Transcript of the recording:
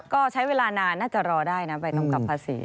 ก็ใช้เวลานานน่าจะรอได้นะใบตอำกับภาษี